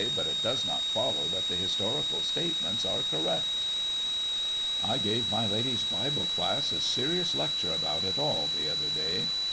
'But it does not follow that the historical statements are correct.'" "I gave my ladies' Bible class a serious lecture about it all the other day.